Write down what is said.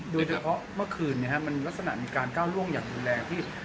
ด้วยเฉพาะเมื่อคืนมันลักษณะมีการก้าวล่วงอย่างอยู่แล